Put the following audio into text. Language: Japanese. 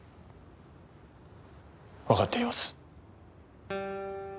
わかっています。